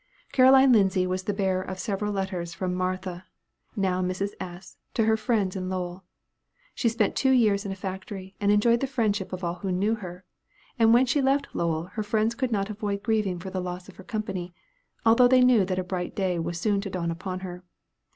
Caroline Lindsay was the bearer of several letters from Martha, now Mrs. S., to her friends in Lowell. She spent two years in a factory, and enjoyed the friendship of all who knew her; and when she left Lowell her friends could not avoid grieving for the loss of her company, although they knew that a bright day was soon to dawn upon her.